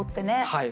はい。